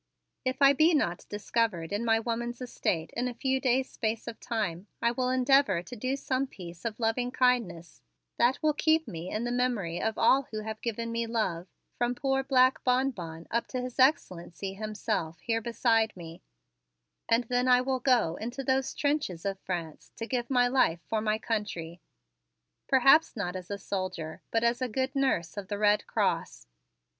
If I be not discovered in my woman's estate in a few days' space of time I will endeavor to do some piece of loving kindness that will keep me in the memory of all who have given me love, from poor black Bonbon up to His Excellency himself here beside me, and then I will go into those trenches of France to give my life for my country, perhaps not as a soldier but as a good nurse of the Red Cross.